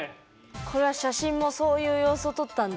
これは写真もそういう様子を撮ったんだ。